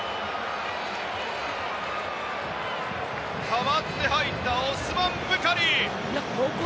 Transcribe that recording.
代わって入ったオスマン・ブカリ。